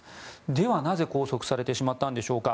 ではなぜ拘束されてしまったんでしょうか。